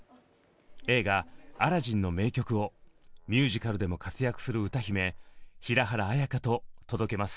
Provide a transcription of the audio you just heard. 映画「アラジン」の名曲をミュージカルでも活躍する歌姫平原綾香と届けます。